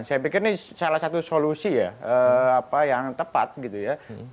saya pikir ini salah satu solusi ya apa yang tepat gitu ya